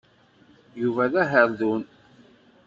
Yuba d aherdun.